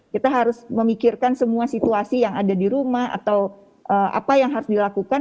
kita harus memikirkan semua situasi yang ada di rumah atau apa yang harus dilakukan